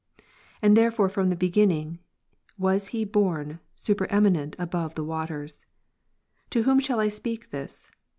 And there fore from the beginning, was He borne supereminent above the ivaters. To whom shall I speak this